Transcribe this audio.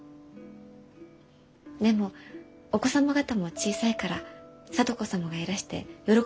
でもお子様方も小さいから聡子様がいらして喜ばれたでしょう？